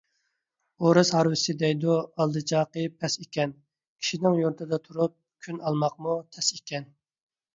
ئۇرۇس ھارۋىسى دەيدۇ ئالدى چاقى پەس ئىكەن. كىشنىڭ يۇرتىدا تۈرۈپ كۈن ئالماقمۇ تەس ئىكەن .